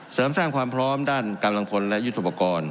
เสริมสร้างความพร้อมด้านกำลังพลและยุทธุปกรณ์